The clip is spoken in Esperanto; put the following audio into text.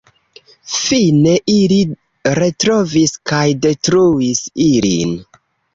Fine, ili retrovis kaj detruis ilin.